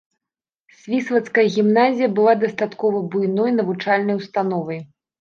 Свіслацкая гімназія была дастаткова буйной навучальнай установай.